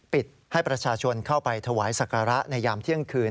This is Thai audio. ให้ประชาชนเข้าไปถวายศักระในยามเที่ยงคืน